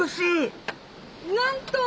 なんと！